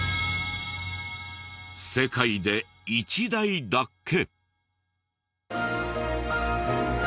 世界で１台だけ。